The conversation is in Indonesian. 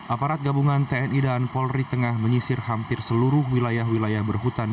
aparat gabungan tni dan polri tengah menyisir hampir seluruh wilayah wilayah berhutan